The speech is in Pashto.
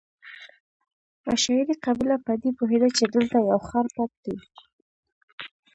عشایري قبیله په دې پوهېده چې دلته یو ښار پټ دی.